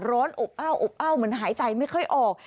ร้อนอบเอ้าเหมือนหายใจไม่ค่อยออก